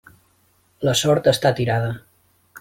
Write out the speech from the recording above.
La sort està tirada.